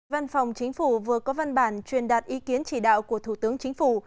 văn phòng chính phủ vừa có văn bản truyền đạt ý kiến chỉ đạo của thủ tướng chính phủ